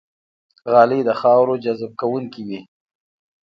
غالۍ د خاورو جذب کوونکې وي.